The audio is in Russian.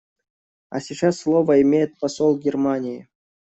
А сейчас слово имеет посол Германии.